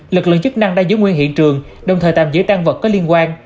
lực lượng chức năng đang giữ nguyên hiện trường đồng thời tạm giữ tăng vật có liên quan